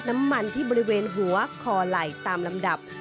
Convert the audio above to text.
น้ำมันที่บริเวณหัวคอไหล่ตามลำดับ